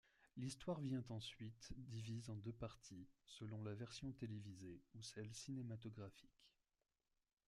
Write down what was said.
L’histoire vient ensuite divise en deux parties, selon la version télévisée ou celle cinématographique.